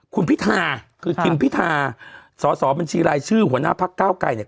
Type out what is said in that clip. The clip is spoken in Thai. คุณพิธาคือทิมพิธาสอสอบัญชีรายชื่อหัวหน้าพักเก้าไกรเนี่ย